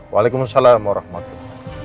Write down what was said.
waalaikumsalam warahmatullahi wabarakatuh